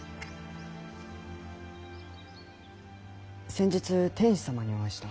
先日天子様にお会いした。